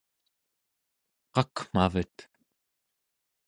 qakmavet